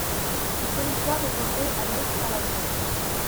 Le territoire est bordé à l'est par la Vire.